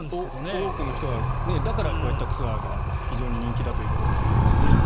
多くの人がだからこういったツアーが非常に人気だということだと思います。